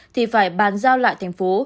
thì phải bàn giao lại thành phố